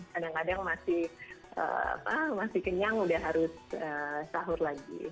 kadang kadang masih kenyang udah harus sahur lagi